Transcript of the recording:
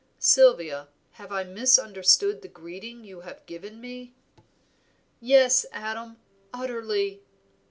Sylvia, have I misunderstood the greeting you have given me?" "Yes, Adam, utterly."